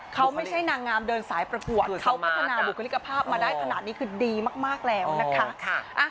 เขาไม่ใช่นางงามเดินสายประกวดเขาพัฒนาบุคลิกภาพมาได้ขนาดนี้คือดีมากแล้วนะคะ